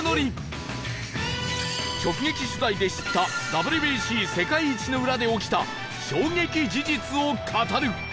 直撃取材で知った ＷＢＣ 世界一の裏で起きた衝撃事実を語る！